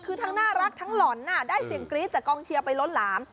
คือทั้งน่ารักทั้งหล่อนได้เสียงกรี๊ดจากกองเชียร์ไปล้นหลาม